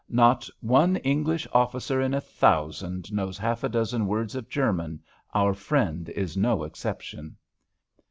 "Not one English officer in a thousand knows half a dozen words of German; our friend is no exception."